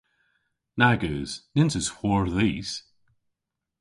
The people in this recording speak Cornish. Nag eus. Nyns eus hwor dhis.